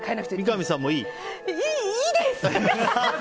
いいです！